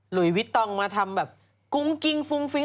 ลุยวิตต้องมาทำแบบกุ้งกิ้งฟุ้งฟิ้ง